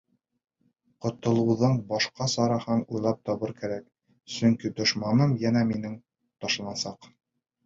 Ҡотолоуҙың башҡа сараһын уйлап табырға кәрәк, сөнки дошманым йәнә миңә ташланасаҡ.